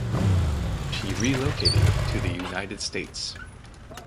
She relocated to the United States.